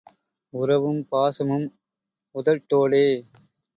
உறவும் பாசமும் உதட்டோடே.